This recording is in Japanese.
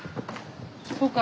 そうか。